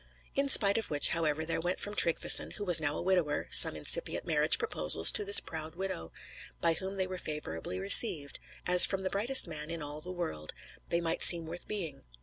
In spite of which, however, there went from Tryggveson, who was now a widower, some incipient marriage proposals to this proud widow; by whom they were favorably received; as from the brightest man in all the world, they might seem worth being.